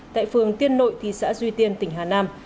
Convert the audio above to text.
tại phường tiên nội thị xã duy tiên tỉnh hà nam